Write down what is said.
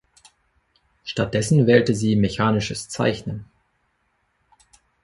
Stattdessen wählte sie mechanisches Zeichnen.